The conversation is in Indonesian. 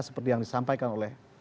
seperti yang disampaikan oleh